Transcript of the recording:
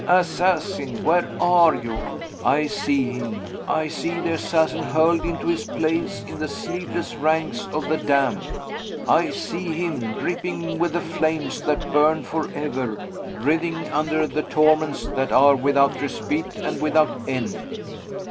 assassin! where are you? I see him I see the assassin hurled into his place in the sleepless ranks of the damned I see him, dripping with the flames that burn forever, writhing under the torments that are without respite and without end."